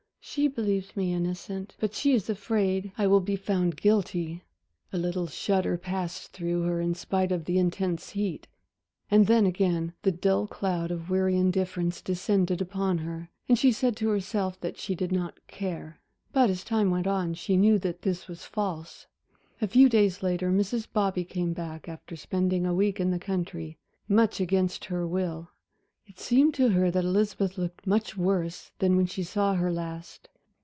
"She believes me innocent but she is afraid I will be found guilty." A little shudder passed through her, in spite of the intense heat. And then again the dull cloud of weary indifference descended upon her, and she said to herself that she did not care. But as time went on, she knew that this was false. A few days later Mrs. Bobby came back, after spending a week in the country much against her will. It seemed to her that Elizabeth looked much worse than when she saw her last.